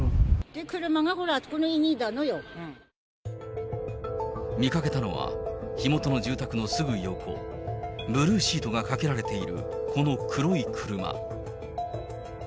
車がほら、見かけたのは、火元の住宅のすぐ横、ブルーシートがかけられているこの黒い車。